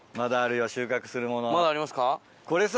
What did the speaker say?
まだありますか。